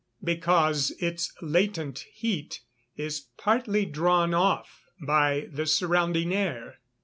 _ Because its latent heat is partly drawn off by the surrounding air.